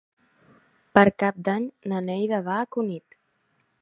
Per Cap d'Any na Neida va a Cunit.